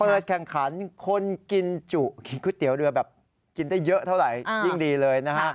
เพราะว่าในแข่งขันคนกินก๋วยเตี๋ยวเรือแบบกินได้เยอะเท่าไหร่ยิ่งดีเลยนะฮะ